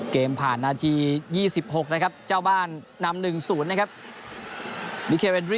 เกมผ่านนาทียี่สิบหกนะครับเจ้าบ้านนำหนึ่งศูนย์นะครับ